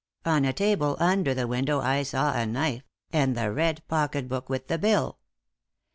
On a table, under the window, I saw a knife, and the red pocket book with the bill.